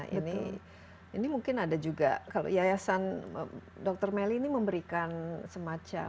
jadi ini mungkin ada juga kalau yayasan dr melly ini memberikan semacam